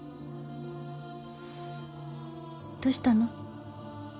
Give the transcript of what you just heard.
どうしたの？